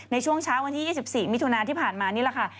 ในช่วงเช้าวันที่๒๔มิถุนาที่ผ่านมานี่แหละค่ะ